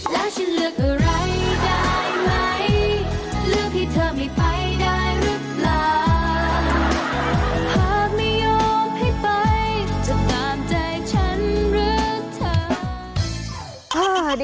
จะตามใจฉันหรือเธอ